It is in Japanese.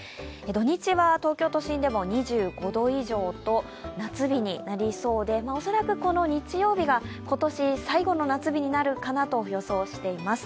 土日は東京都心でも２５度以上と夏日になりそうで、恐らく日曜日が今年最後の夏日になるかなと予想しています。